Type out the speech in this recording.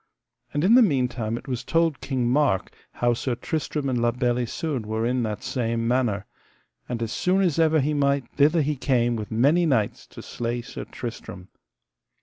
And in the meantime it was told King Mark how Sir Tristram and La Beale Isoud were in that same manor, and as soon as ever he might thither he came with many knights to slay Sir Tristram.